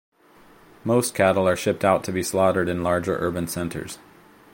Most cattle are shipped out to be slaughtered in larger urban centers.